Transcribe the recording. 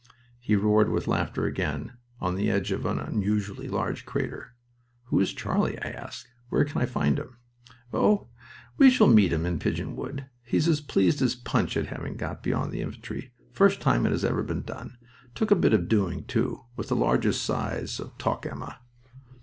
He roared with laughter again, on the edge of an unusually large crater. "Who is Charlie?" I asked. "Where can I find him?" "Oh, we shall meet him in Pigeon Wood. He's as pleased as Punch at having got beyond the infantry. First time it has ever been done. Took a bit of doing, too, with the largest size of Toc emma."